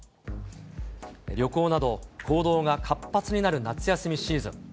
旅行など、行動が活発になる夏休みシーズン。